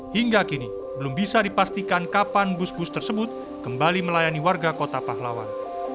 hingga kini belum bisa dipastikan kapan bus bus tersebut kembali melayani warga kota pahlawan